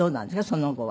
その後は。